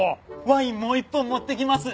ワインもう１本持ってきます。